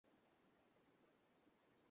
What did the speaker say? সর্বনাশ, তার প্রচুর রক্ত বেরোচ্ছে।